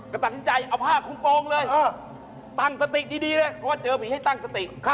ก็ตัดสินใจเอาผ้าคุมโปรงเลยตั้งสติดีเลยเพราะว่าเจอผีให้ตั้งสติ